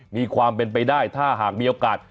มีความเป็นไปได้ถ้าหากมีโอกาส